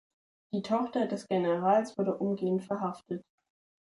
Die Tochter des Generals wurde umgehend verhaftet.